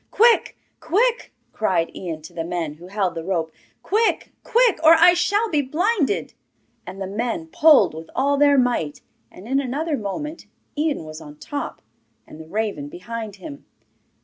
'Quick! quick!' cried Ian to the men who held the rope. 'Quick! quick! or I shall be blinded!' And the men pulled with all their might, and in another moment Ian was on top, and the raven behind him.